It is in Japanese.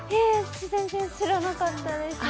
全然知らなかったです。